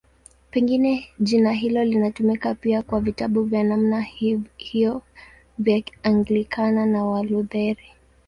Pengine jina hilo linatumika pia kwa vitabu vya namna hiyo vya Anglikana na Walutheri.